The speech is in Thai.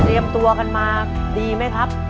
เตรียมตัวกันมาดีไหมครับ